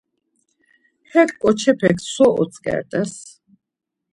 Hek ǩoçepek so otzǩert̆es?